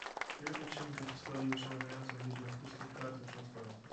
Wielka księga historii z oszałamiającą liczbą pustych kart leży otwarta